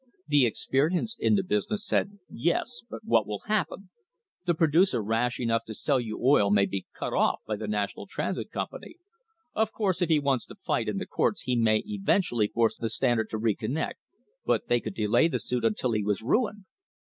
The experienced in the business said: "Yes. But what will happen? The producer rash enough to sell you oil may be cut off by the National Transit Company. Of course, if he wants to fight in the courts he may eventually force the Stand ard to reconnect, but they could delay the suit until he was ruined.